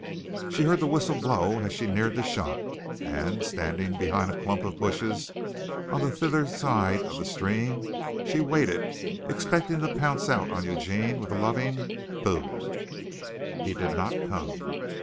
She heard the whistle blow as she neared the shop, and, standing behind a clump of bushes on the thither side of the stream, she waited, expecting to pounce out on Eugene with a loving "Boo!" He did not come.